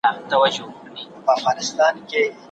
که کره کتونکی د څيړني لارښود سي نو ستونزې به جوړې کړي.